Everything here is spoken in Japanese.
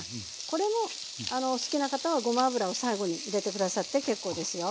これもお好きな方はごま油を最後に入れて下さって結構ですよ。